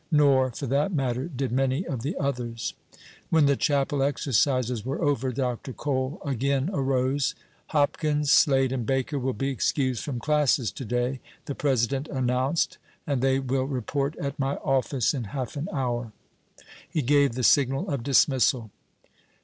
Nor, for that matter, did many of the others. When the chapel exercises were over, Dr. Cole again arose. "Hopkins, Slade and Baker will be excused from classes to day," the president announced, "and they will report at my office in half an hour." He gave the signal of dismissal.